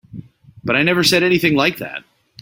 But I never said anything like that.